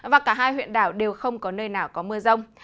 và cả hai huyện đảo đều không có nơi nào có mưa rông